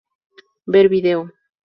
Ver video